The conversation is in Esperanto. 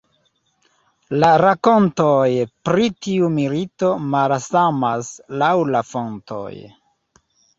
La rakontoj pri tiu milito malsamas laŭ la fontoj.